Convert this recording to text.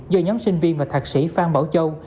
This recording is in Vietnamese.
do nhóm sinh viên và thạc sĩ phan bảo châu